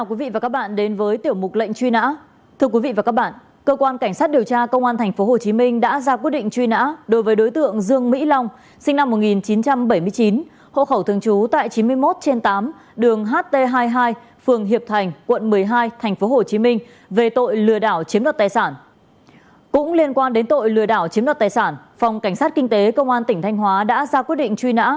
cũng liên quan đến tội lừa đảo chiếm đọt tài sản phòng cảnh sát kinh tế công an tỉnh thanh hóa đã ra quyết định truy nã